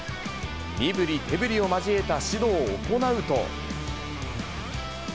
身ぶり手ぶりを交えた指導を行うと。